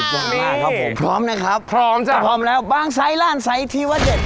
พร้อมหน้าครับผมพร้อมนะครับพร้อมจ้ะพร้อมแล้วบ้างไซส์ล่านไซส์ที่ว่าเด็ด